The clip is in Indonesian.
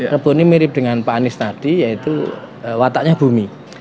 rebun ini mirip dengan pak anies tadi yaitu wataknya bumi